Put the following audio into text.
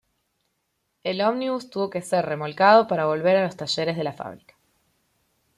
El ómnibus tuvo que ser remolcado para volver a los talleres de la fábrica.